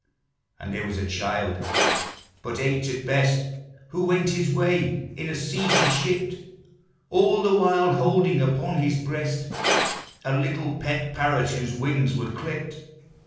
"And there was a child, but eight at best, Who went his way in a sea she shipped, All the while holding upon his breast A little pet parrot whose wings were clipped.